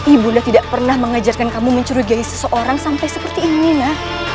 ibu na tidak pernah mengajarkan kamu mencurigai seseorang sampai seperti ini nak